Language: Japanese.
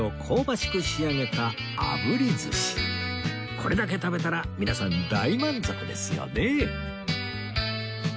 これだけ食べたら皆さん大満足ですよね